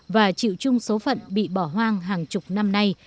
và chịu chung số phận bị bỏ hoang hàng chục năm nay